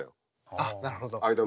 あっなるほど。